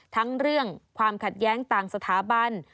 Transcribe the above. ทั้งเรื่องความขัดแย้งต่างสถาบัน